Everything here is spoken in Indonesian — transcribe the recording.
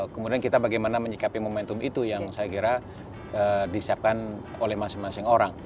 kemudian kita bagaimana menyikapi momentum itu yang saya kira disiapkan oleh masing masing orang